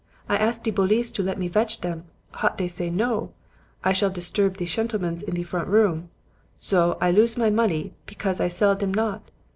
I ask de bolice to let me vetch dem, hot dey say no; I shall disturb de chentlemens in de front room. Zo I lose my money pecause I sell dem not.'